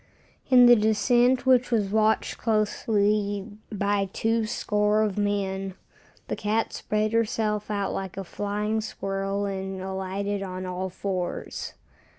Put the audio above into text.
In the descent which was watched closely by two score of men, the cat spread herself out like a flying squirrel and alighted on all fours.